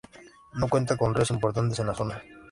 No cuenta con ríos importantes en la zona.